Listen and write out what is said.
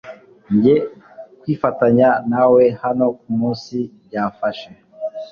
Njye kwifatanya nawe hano kumunsi byafashe